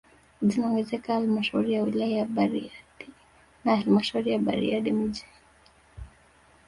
Zinaongezeka halmashauri ya wilaya ya Bariadi na halmashauri ya Bariadi mji